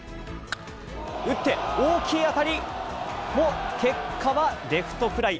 打って、大きい当たり、も、結果はレフトフライ。